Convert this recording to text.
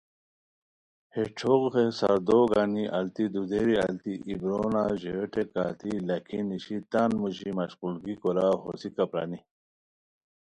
ہے چھوغ ہے ساردو گنی التی دودیری التی ای بورونا ژویو ٹیکہ التی لکھی نیشی تان موژی مشقولگی کوراؤ ہوسیکہ پرانی